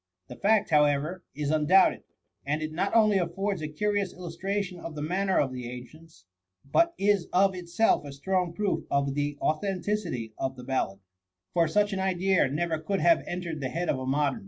The fact, however, is undoubted; and it not opiy affords a curious illustration of the manner of the ancients, but is of itself a strong proof of the authenticity of the ballad ; for such an idea never could have entered the head of a modem.